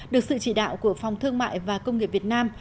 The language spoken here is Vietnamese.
được sự chỉ đạo của phòng thương mại và công nghiệp việt nam